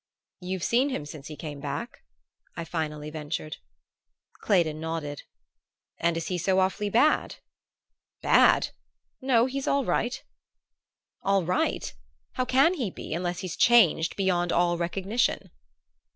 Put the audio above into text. "You've seen him since he came back?" I finally ventured. Claydon nodded. "And is he so awfully bad?" "Bad? No: he's all right." "All right? How can he be, unless he's changed beyond all recognition?"